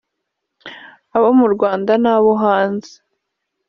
abo mu Rwanda n’abo hanze